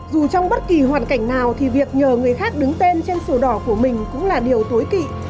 dù trong bất kỳ hoàn cảnh nào thì việc nhờ người khác đứng tên trên sổ đỏ của mình cũng là điều tối kỵ